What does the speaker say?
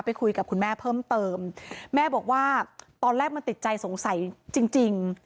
คุยกับคุณแม่เพิ่มเติมแม่บอกว่าตอนแรกมันติดใจสงสัยจริงจริง